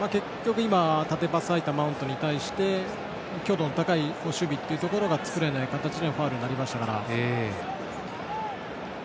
今、縦パスが入ったマウントに対して強度の高い守備というところが作れないところでファウルになりました。